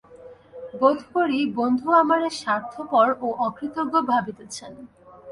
বোধ করি বন্ধু আমারে স্বার্থপর ও অকৃতজ্ঞ ভাবিতেছেন।